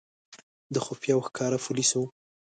د خفیه او ښکاره پولیسو.